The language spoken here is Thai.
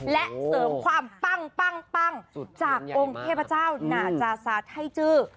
และเสริมความปั้งจากองค์เทพเจ้าหนาจาซาไทยจื้อ